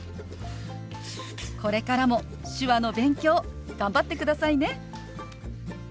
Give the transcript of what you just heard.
これからも手話の勉強頑張ってくださいね。